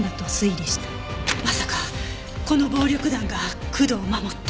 まさかこの暴力団が工藤を守った？